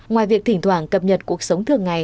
ngoài việc thỉnh thoảng cập nhật cuộc sống thường ngày